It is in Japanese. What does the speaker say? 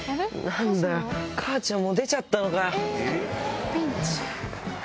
なんだよ、母ちゃんもう出ちゃったのかよ。